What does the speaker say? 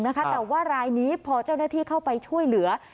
แต่ว่ารายนี้พอเจ้าหน้าที่เข้าไปช่วยเหลือ